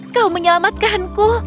kau menyelamatkan ku